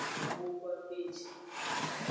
Gbugbogbeji.